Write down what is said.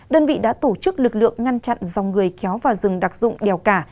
đơn vị đã tổ chức lực lượng ngăn chặn dòng người kéo vào rừng đặc dụng đèo cả